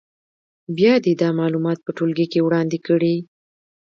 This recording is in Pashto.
بیا دې دا معلومات په ټولګي کې وړاندې کړي.